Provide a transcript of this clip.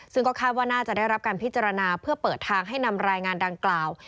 ซึ่งก็คาดว่าน่าจะได้รับการพิจารณาเพื่อเปิดทางให้นำรายงานดังกล่าว